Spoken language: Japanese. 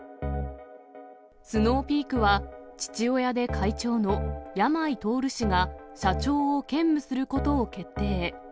スノーピークは、父親で会長の山井太氏が社長を兼務することを決定。